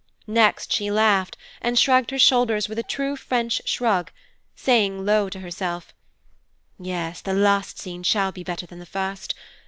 Next she laughed, and shrugged her shoulders with a true French shrug, saying low to herself, "Yes, the last scene shall be better than the first.